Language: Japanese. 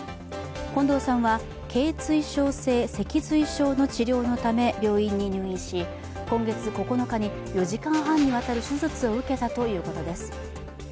近藤さんは、けい椎症性脊髄症の治療のため、病院に入院し今月９日に４時間半にわたる手術を受けたということです。